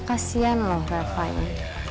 kasian loh rafa ini